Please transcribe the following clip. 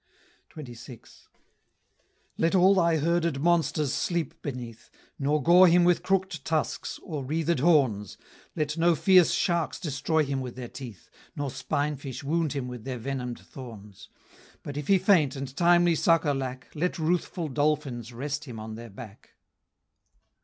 XXVI. "Let all thy herded monsters sleep beneath, Nor gore him with crook'd tusks, or wreathëd horns; Let no fierce sharks destroy him with their teeth, Nor spine fish wound him with their venom'd thorns; But if he faint, and timely succor lack, Let ruthful dolphins rest him on their back."